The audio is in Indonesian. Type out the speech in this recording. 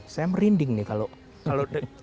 saya merinding nih kalau